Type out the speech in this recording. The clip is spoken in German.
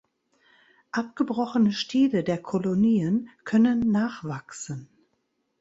Abgebrochene Stiele der Kolonien können nachwachsen.